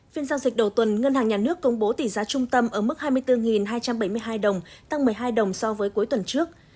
phiên giao dịch đầu tuần ngân hàng nhà nước công bố tỷ giá trung tâm ở mức hai mươi bốn hai trăm bảy mươi hai đồng tăng một mươi hai đồng so với cuối tuần trước